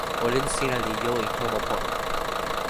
olin sina li jo e tomo pona.